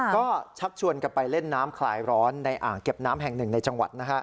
ก็ชักชวนกันไปเล่นน้ำคลายร้อนในอ่างเก็บน้ำแห่งหนึ่งในจังหวัด